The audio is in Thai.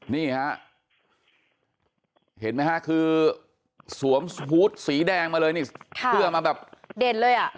นี่เห็นไหมฮะคือสวมฮุดสีแดงมาเลยนี่เครื่องมาแบบเด่นเลยใส่บ้าน